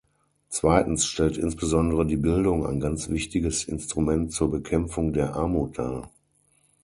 Zweitens stellt insbesondere die Bildung ein ganz wichtiges Instrument zur Bekämpfung der Armut dar.